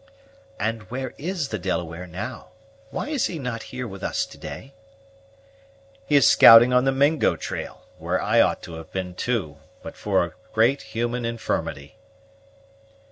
"And where is the Delaware now? why is he not with us to day?" "He is scouting on the Mingo trail, where I ought to have been too, but for a great human infirmity."